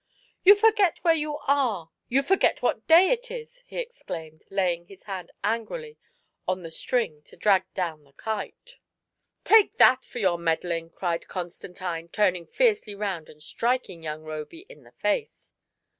" You forget where you are — ^you forget what day it is !" he exclaimed, laying his hand angrily on the string to draw down the kite. "Take that for your meddling!" cried Constantine, turning fiercely round and striking young Roby in the face.